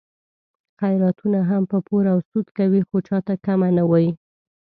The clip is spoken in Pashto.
خیراتونه هم په پور او سود کوي، خو چاته کمه نه وایي.